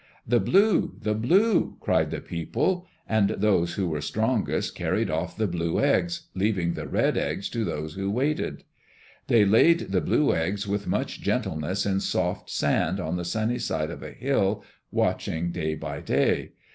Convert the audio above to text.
"The blue! The blue!" cried the people, and those who were strongest carried off the blue eggs, leaving the red eggs to those who waited. They laid the blue eggs with much gentleness in soft sand on the sunny side of a hill, watching day by day.